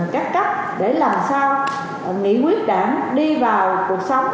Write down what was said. các cách để làm sao nghĩ quyết đảng đi vào cuộc sống